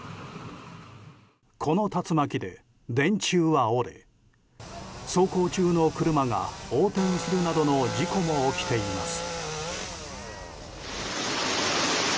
この竜巻で電柱は折れ走行中の車が横転するなどの事故も起きています。